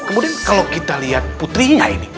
kemudian kalau kita lihat putrinya ini